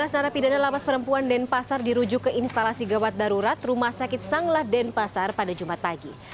tiga belas narapidana lapas perempuan denpasar dirujuk ke instalasi gawat darurat rumah sakit sanglah denpasar pada jumat pagi